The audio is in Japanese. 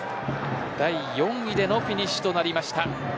第４位でのフィニッシュとなりました。